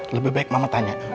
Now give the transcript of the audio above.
lebih baik mama tanya